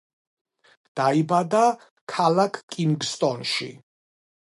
დაიბადა ქალაქ კინგსტონში.